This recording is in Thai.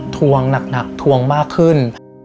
ทวงหนักทวงมากขึ้น